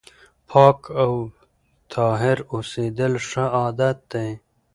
پاک او طاهر اوسېدل ښه عادت دی.